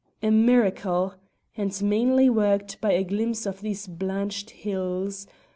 A miracle! and mainly worked by a glimpse of these blanched hills.